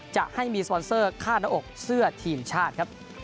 จะให้มีสปอนเซอร์ฆ่าหน้าอกเสื้อทีมชาติครับ